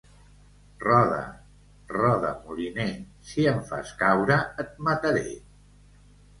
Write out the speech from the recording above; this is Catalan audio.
Roda, roda, moliner. Si em fas caure, et mataré.